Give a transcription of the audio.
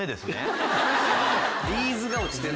ビーズが落ちてる。